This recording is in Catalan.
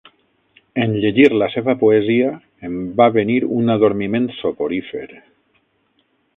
En llegir la seva poesia, em va venir un adormiment soporífer.